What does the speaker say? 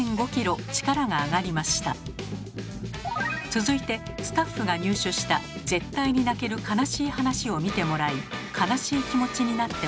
続いてスタッフが入手した「絶対に泣ける悲しい話」を見てもらい悲しい気持ちになってもらいます。